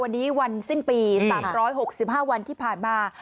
วันนี้วันสิ้นปี๓๖๕วันที่ผ่านมา